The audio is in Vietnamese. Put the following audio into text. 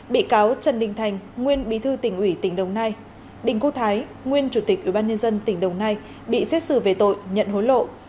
bị cáo trần đinh thành nguyên bí thư tỉnh ủy tỉnh đồng nai đình cô thái nguyên chủ tịch ủy ban nhân dân tỉnh đồng nai bị xét xử về tội nhận hối lộ